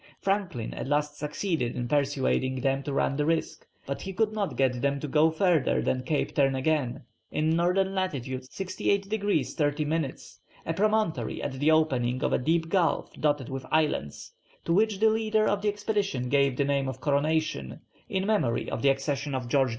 Franklin at last succeeded in persuading them to run the risk; but he could not get them to go further than Cape Turn again in N. lat. 68 degrees 30 minutes, a promontory at the opening of a deep gulf dotted with islands, to which the leader of the expedition gave the name of Coronation, in memory of the accession of George IV.